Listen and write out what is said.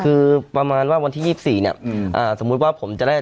คือประมาณว่าวันที่ยี่สิบสี่เนี้ยอ่าสมมุติว่าผมจะได้